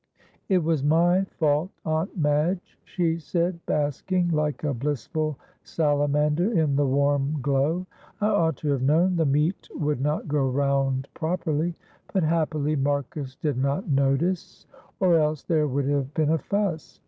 "It was my fault, Aunt Madge," she said, basking like a blissful salamander in the warm glow. "I ought to have known the meat would not go round properly; but happily Marcus did not notice, or else there would have been a fuss.